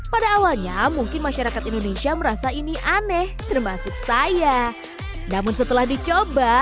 pada awalnya mungkin masyarakat indonesia merasa ini aneh termasuk saya namun setelah dicoba